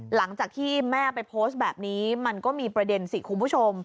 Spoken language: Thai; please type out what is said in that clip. หลังจากที่แม่ไปโพสต์แบบนี้มันก็มีประเด็นสิคุณผู้ชม